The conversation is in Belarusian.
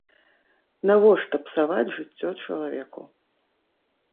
Навошта псаваць жыццё чалавеку?